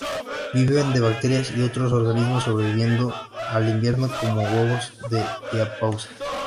Vive de bacterias y otros organismos, sobreviviendo al invierno como huevos en diapausa.